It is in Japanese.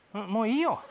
もういいよ